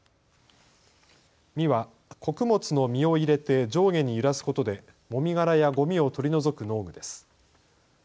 箕は穀物の実を入れて上下に揺らすことでもみ殻やごみを取り除く農具です。